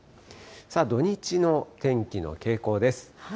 土日の天気の傾向です。